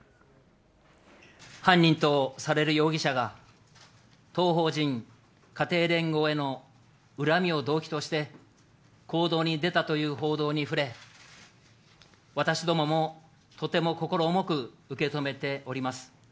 犯人とされる容疑者が、当法人、家庭連合への恨みを動機として、行動に出たという報道に触れ、私どももとても心重く受け止めております。